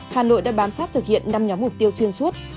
hà nội đã bám sát thực hiện năm nhóm mục tiêu xuyên suốt